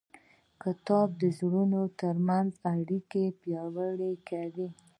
کتاب د زړونو ترمنځ اړیکې پیاوړې کوي.